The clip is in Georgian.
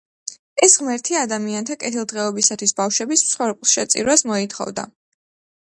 ეს ღმერთი ადამიანთა კეთილდღეობისათვის ბავშვების მსხვერპლშეწირვას მოითხოვდა.